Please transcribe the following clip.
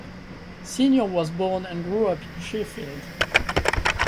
Senior was born and grew up in Sheffield.